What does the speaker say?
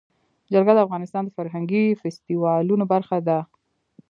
جلګه د افغانستان د فرهنګي فستیوالونو برخه ده.